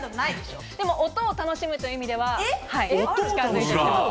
でも、音を楽しむという意味では近づいてます。